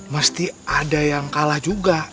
mesti ada yang kalah juga